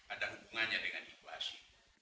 ada hubungannya dengan ikhlasi